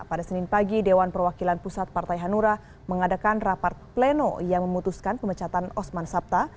pada senin pagi dewan perwakilan pusat partai hanura mengadakan rapat pleno yang memutuskan pemecatan osman sabta